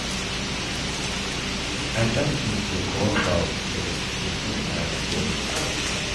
Atum is the god of pre-existence and post-existence.